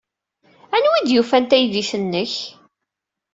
Anwa ay d-yufan taydit-nnek?